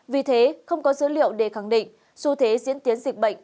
vì thế không có dữ liệu để khẳng định xu thế diễn tiến dịch bệnh